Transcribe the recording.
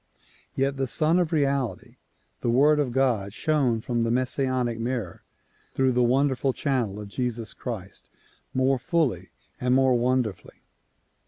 Yet the Sun of Reality, the Word of God shone from the Messianic mirror through the wonderful channel of Jesus Christ more fully and more wonderfully.